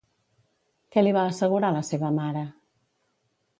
Què li va assegurar la seva mare?